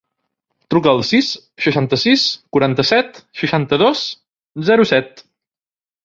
Truca al sis, seixanta-sis, quaranta-set, seixanta-dos, zero, set.